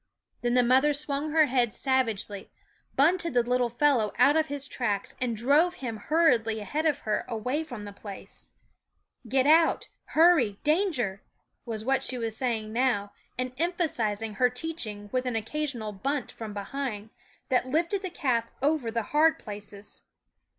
12 Then the mother swung her head savagely, bunted the little fellow out of his tracks, and drove him hurriedly ahead of her " away from the place " Get out, hurry, > danger !" was what she was saying now, *?\ and emphasizing her teaching with an occasional bunt from behind <=? THE WOODS that lifted the calf over the hard places.